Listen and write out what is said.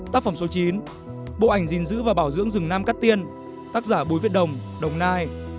tác phẩm số chín bộ ảnh gìn giữ và bảo dưỡng rừng nam cát tiên tác giả bối việt đồng đồng nai